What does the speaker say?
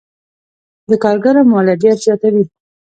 د کارګرو مولدیت زیاتوي.